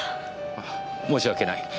ああ申し訳ない。